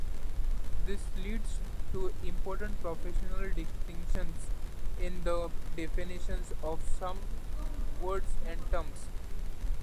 This leads to important professional distinctions in the definitions of some words and terms.